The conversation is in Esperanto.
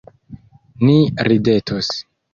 Ni ridetos.